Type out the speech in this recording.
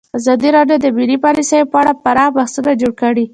ازادي راډیو د مالي پالیسي په اړه پراخ بحثونه جوړ کړي.